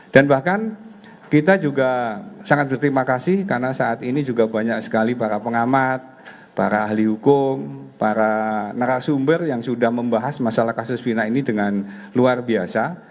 dan bahkan kita juga sangat berterima kasih karena saat ini juga banyak sekali para pengamat para ahli hukum para narasumber yang sudah membahas masalah kasus pidana ini dengan luar biasa